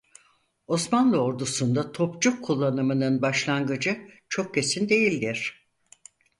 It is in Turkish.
Osmanlı Ordusunda topçu kullanımının başlangıcı çok kesin değildir.